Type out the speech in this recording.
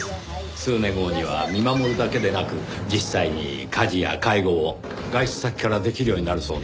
数年後には見守るだけでなく実際に家事や介護を外出先からできるようになるそうですね。